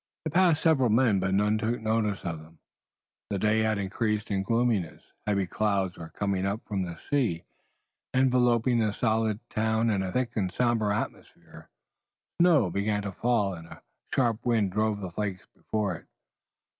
They passed several men, but none took any notice of them. The day had increased in gloominess. Heavy clouds were coming up from the sea, enveloping the solid town in a thick and somber atmosphere. Snow began to fall and a sharp wind drove the flakes before it.